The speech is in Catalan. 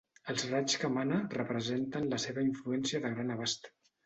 Els raigs que emana representen la seva influència de gran abast.